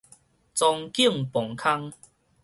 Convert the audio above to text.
莊敬磅空